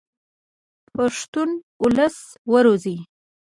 پښتون اولس و روزئ.